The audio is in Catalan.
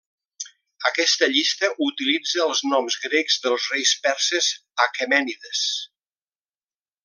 Aquesta llista utilitza els noms grecs dels reis perses aquemènides.